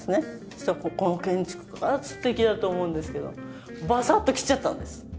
そしたらここの建築家が素敵だと思うんですけどバサッと切っちゃったんです。